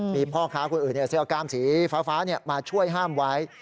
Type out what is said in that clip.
มีพ่อค้าคนอื่นเสื้อกล้ามสีฟ้ามาช่วยห้ามไว้